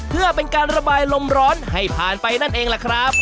เพื่อเป็นการระบายลมร้อนให้ผ่านไปนั่นเองล่ะครับ